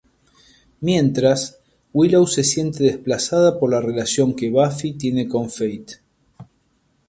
Mientras, Willow se siente desplazada por la relación que Buffy tiene con Faith.